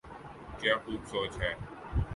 کیا خوب سوچ ہے۔